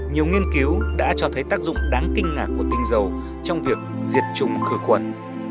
nhiều nghiên cứu đã cho thấy tác dụng đáng kinh ngạc của tinh dầu trong việc diệt chủng khử khuẩn